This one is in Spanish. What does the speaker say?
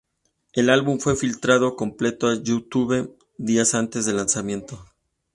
El álbum fue filtrado completo a YouTube días antes del lanzamiento.